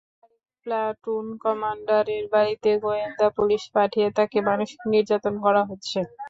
আরেক প্লাটুন কমান্ডারের বাড়িতে গোয়েন্দা পুলিশ পাঠিয়ে তাঁকে মানসিক নির্যাতন করা হচ্ছে।